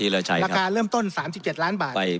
ราคาเริ่มต้น๓๗ล้านบาท